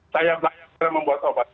saya pelajar membuat obat